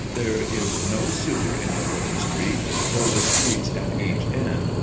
There is no sewer in this little street, though the streets at each end are sewered.